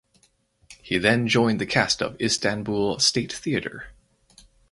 He then joined the cast of Istanbul State Theatre.